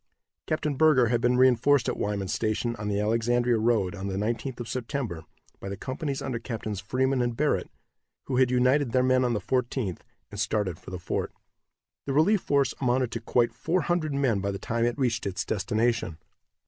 Captain Burger had been reinforced at Wyman's station, on the Alexandria road, on the 19th of September, by the companies under Captains Freeman and Barrett, who had united their men on the 14th, and started for the fort. The relief force amounted to quite four hundred men by the time it reached its destination.